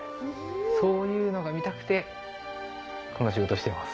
そういうのが見たくてこの仕事をしてます。